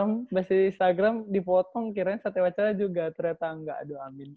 masih di instagram dipotong kiranya satya wacara juga ternyata nggak aduh amin